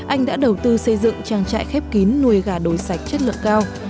anh đã đầu tư xây dựng trang trại khép kín nuôi gà đối sạch chất lượng cao